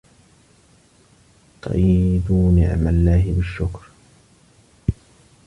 قَيِّدُوا نعم الله بالشكر